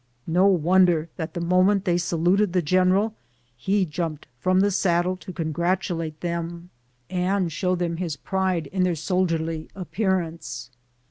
No wonder that the moment they saluted the general, he jumped from the saddle to congratulate them, and show them his pride in their soldierly ap pearance.